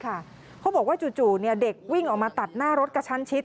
เขาบอกว่าจู่เด็กวิ่งออกมาตัดหน้ารถกระชั้นชิด